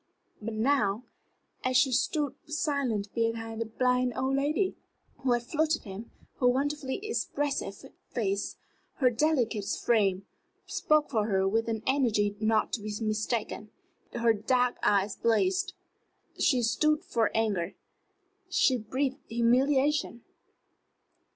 But now, as she stood silent behind the blind old lady who had flouted her, her wonderfully expressive face, her delicate frame, spoke for her with an energy not to be mistaken. Her dark eyes blazed. She stood for anger; she breathed humiliation.